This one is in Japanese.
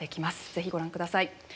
是非ご覧ください。